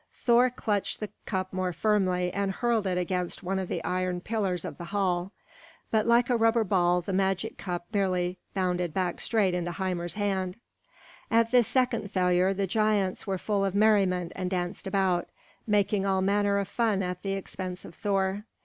Thor clutched the cup more firmly and hurled it against one of the iron pillars of the hall; but like a rubber ball the magic cup merely bounded back straight into Hymir's hand. At this second failure the giants were full of merriment and danced about, making all manner of fun at the expense of Thor.